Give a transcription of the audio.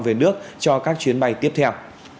về nước cho các chuyến bay tiếp theo